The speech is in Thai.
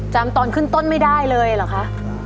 ตอนขึ้นต้นไม่ได้เลยเหรอคะ